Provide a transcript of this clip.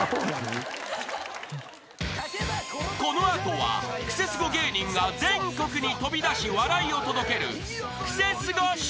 ［この後はクセスゴ芸人が全国に飛び出し笑いを届けるクセスゴ笑